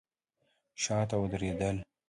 شاته ودرېدل.